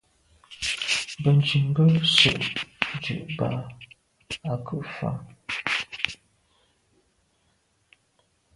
Benntùn be se’ ndù ba’ à kù fa.